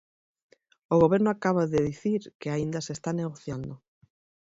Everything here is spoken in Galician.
O Goberno acaba de dicir que aínda se está negociando.